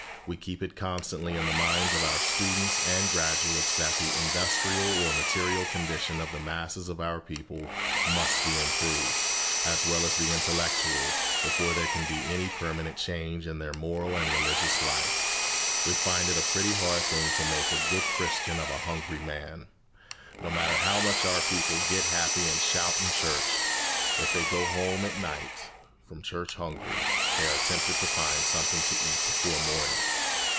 We keep it constantly in the minds of our students and graduates that the industrial or material condition of the masses of our people must be improved, as well as the intellectual, before there can be any permanent change in their moral and religious life. We find it a pretty hard thing to make a good Christian of a hungry man. No matter how much our people "get happy" and "shout" in church, if they go home at night from church hungry, they are tempted to find something to eat before morning.